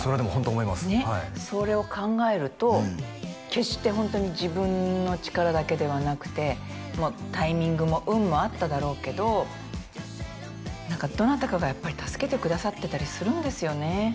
はいねっそれを考えると決してホントに自分の力だけではなくてタイミングも運もあっただろうけど何かどなたかがやっぱり助けてくださってたりするんですよね